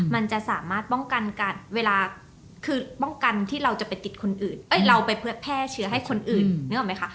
มันจะสามารถป้องกันการเวลาคือป้องกันที่เราจะไปติดคนอื่นเราไปเพื่อแพร่เชื้อให้คนอื่นนึกออกไหมคะ